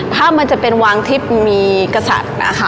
ถ้ามันจะเป็นวางที่มีกษัตริย์นะคะ